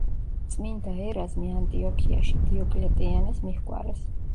წმინდა ერაზმი ანტიოქიაში დიოკლეტიანეს მიჰგვარეს.